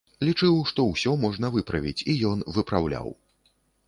Лічыў, што ўсё можна выправіць, і ён выпраўляў.